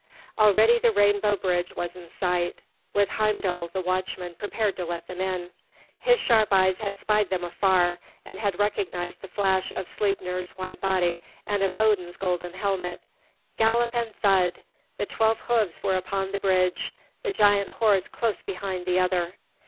Already the rainbow bridge was in sight, with Heimdal the watchman prepared to let them in. His sharp eyes had spied them afar, and had recognized the flash of Sleipnir's white body and of Odin's golden helmet. Gallop and thud! The twelve hoofs were upon the bridge, the giant horse close behind the other.